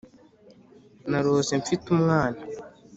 Narose mfite umwana